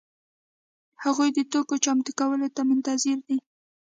هغوی د توکو چمتو کولو ته منتظر دي.